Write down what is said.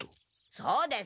そうです！